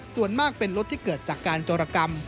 ส่วนมากเป็นรถที่เกิดจากการโจรกรรม